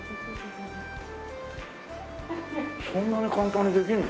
そんなに簡単にできるの？